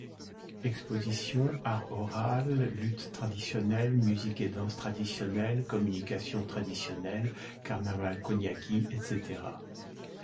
Expositions, art oral, lutte traditionnelle, musique et danses traditionnelles, communication traditionnelle, carnaval kognagui, etc.